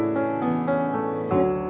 吸って。